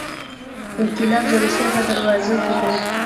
انقلاب د روسیې په دروازو کې دی.